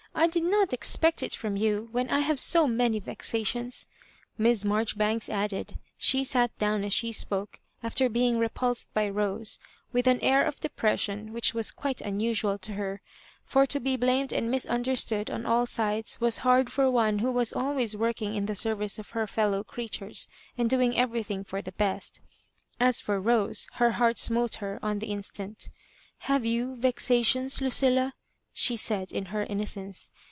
I did not expect it from you, when I have so many vexations," Miss Marjoribanks added. She sat down as i^e spoke, after being repulsed by Rose, with an air of depression which waa quite un usual to her ; for to be blamed and misunder stood on all sides was hard for one who was al ways working in the service of her fellow crea tures, and doing everything for the best As for Rose, her heart smote her <m the io stant " Have you vexations, Lucilla ?" she said, in her innocence.